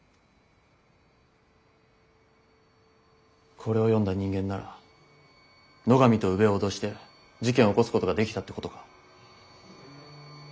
これを読んだ人間なら野上と宇部を脅して事件を起こすことができたってことか。